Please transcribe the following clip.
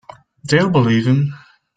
They'll believe him.